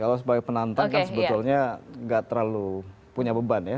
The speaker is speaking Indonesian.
kalau sebagai penantang kan sebetulnya nggak terlalu punya beban ya